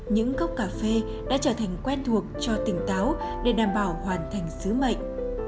những cốc cà phê đã trở thành quen thuộc cho tỉnh táo để đảm bảo hoàn thành sứ mệnh